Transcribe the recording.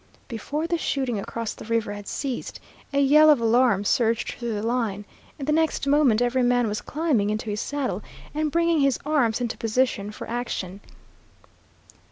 Before the shooting across the river had ceased, a yell of alarm surged through the line, and the next moment every man was climbing into his saddle and bringing his arms into position for action.